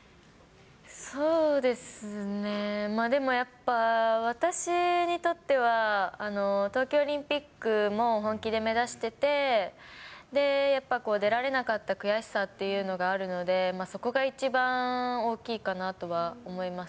そうですね、でもやっぱ、私にとっては東京オリンピックも本気で目指してて、出られなかった悔しさっていうのがあるので、そこが一番大きいか